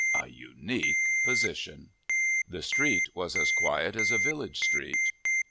A unique position! The street was as quiet as a village street.